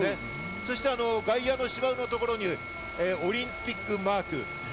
そして外野の芝生のところにオリンピックマーク。